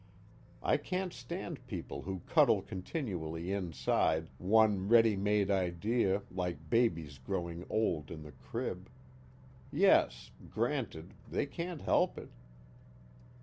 I can't stand people who cuddle continually inside one ready made idea like babies growing old in the crib. Yes granted they can't help it.